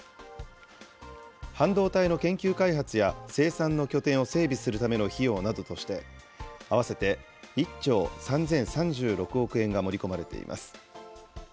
半導体の研究開発や生産の拠点を整備するための費用などとして、合わせて１兆３０３６億円が盛り込まれています。